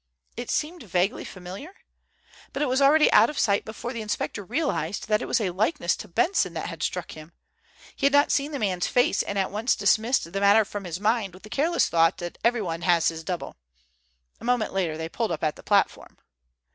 It seemed vaguely familiar, but it was already out of sight before the inspector realized that it was a likeness to Benson that had struck him. He had not seen the man's face and at once dismissed the matter from his mind with the careless thought that everyone has his double. A moment later they pulled up at the platform.